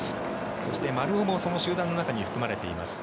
そして、丸尾もその集団の中に含まれています。